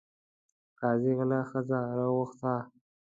قاضي غله ښځه راوغوښته.